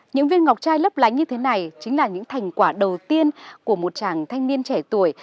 những viên ngọc chai lấp lánh như thế này chính là những thành quả đầu tiên của một chàng thanh niên trẻ tuổi